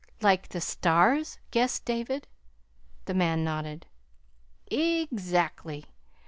"Like the stars?" guessed David. The man nodded. "Ex ACTLY!